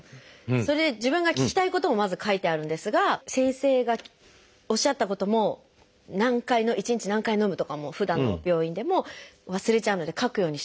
それで自分が聞きたいこともまず書いてあるんですが先生がおっしゃったことも何回一日何回のむとかもふだんの病院でも忘れちゃうので書くようにしてるんです。